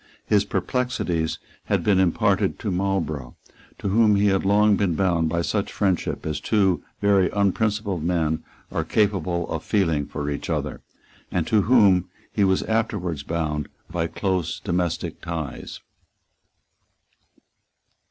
His perplexities had been imparted to Marlborough, to whom he had long been bound by such friendship as two very unprincipled men are capable of feeling for each other, and to whom he was afterwards bound by close domestic ties.